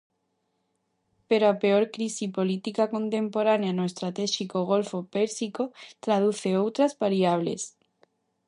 Pero a peor crise política contemporánea no estratéxico Golfo Pérsico traduce outras variables.